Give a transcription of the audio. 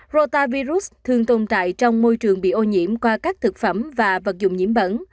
rotavirus thường tồn tại trong môi trường bị ô nhiễm qua các thực phẩm và vật dụng nhiễm bẩn